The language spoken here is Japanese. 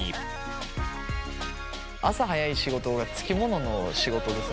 朝早い仕事がつきものの仕事でさ